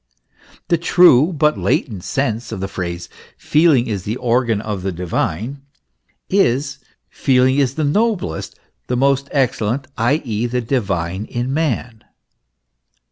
The true but latent sense of the phrase, " Feeling is the organ of the divine," is, feeling is the noblest, the most excellent, i.e., the divine, in man.